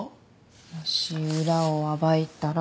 もし裏を暴いたら。